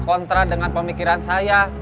kontra dengan pemikiran saya